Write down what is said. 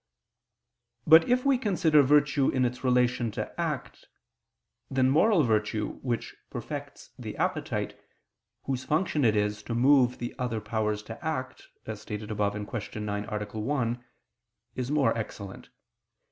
But if we consider virtue in its relation to act, then moral virtue, which perfects the appetite, whose function it is to move the other powers to act, as stated above (Q. 9, A. 1), is more excellent.